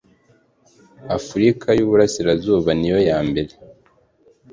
Afurika y Iburasirazuba niyo yambere